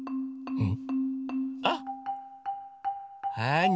うん。